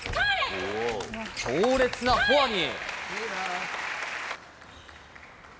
強烈なフォアに。